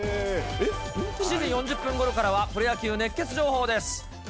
７時４０分ごろからは、プロ野球熱ケツ情報です。